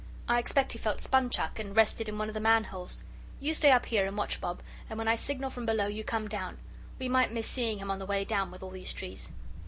I expect he felt spun chuck, and rested in one of the manholes. You stay up here and watch, Bob, and when I signal from below, you come down. We might miss seeing him on the way down, with all these trees."